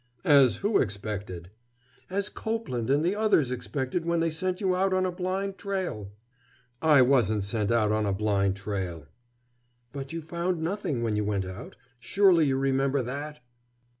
"As who expected?" "As Copeland and the others expected when they sent you out on a blind trail." "I wasn't sent out on a blind trail." "But you found nothing when you went out. Surely you remember that."